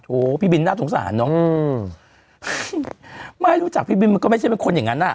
พี่บินน่าสงสารเนอะอืมไม่รู้จักพี่บินมันก็ไม่ใช่เป็นคนอย่างนั้นอ่ะ